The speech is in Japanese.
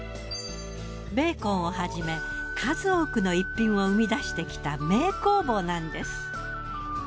ベーコンをはじめ数多くの逸品を生み出してきた名工房なんです。